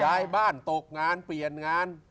ย้ายบ้านตกงานเปลี่ยนงาน